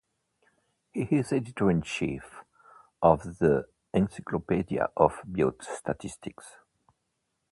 He is editor-in-chief of the "Encyclopedia of Biostatistics".